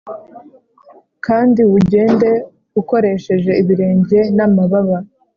kandi ugende ukoresheje ibirenge n'amababa!